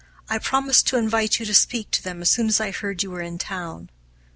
I promised to invite you to speak to them as soon as I heard you were in town."